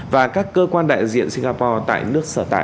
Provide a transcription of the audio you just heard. và các cơ quan đại diện singapore tại nước sở tại